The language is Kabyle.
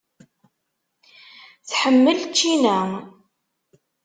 Tḥemmel ččina.